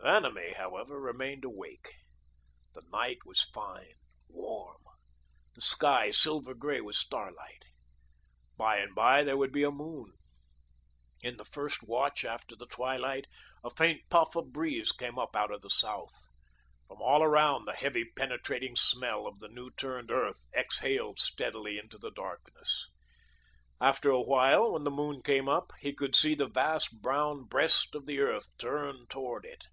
Vanamee, however, remained awake. The night was fine, warm; the sky silver grey with starlight. By and by there would be a moon. In the first watch after the twilight, a faint puff of breeze came up out of the south. From all around, the heavy penetrating smell of the new turned earth exhaled steadily into the darkness. After a while, when the moon came up, he could see the vast brown breast of the earth turn toward it.